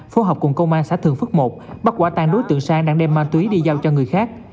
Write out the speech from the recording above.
phố học cùng công an xã thường phước một bắt quả tàn đối tượng sang đang đem ma túy đi giao cho người khác